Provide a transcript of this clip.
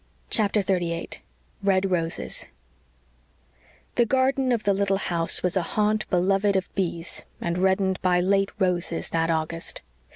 CHAPTER 38 RED ROSES The garden of the little house was a haunt beloved of bees and reddened by late roses that August.